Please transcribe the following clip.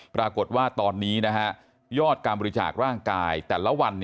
ปรากฏว่าตอนนี้ยอดการบริจาคร่างกายแต่ละวัน